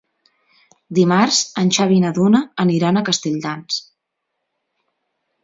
Dimarts en Xavi i na Duna aniran a Castelldans.